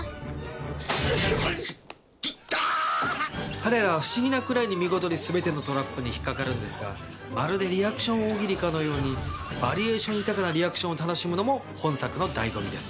彼らは不思議なくらいに見事に全てのトラップに引っ掛かるんですがまるでリアクション大喜利かのようにバリエーション豊かなリアクションを楽しむのも本作の醍醐味です。